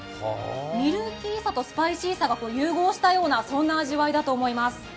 ミルキーさとスパイシーさが融合したような味わいだと思います。